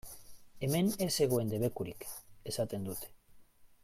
Hemen ez zegoen debekurik!, esaten dute.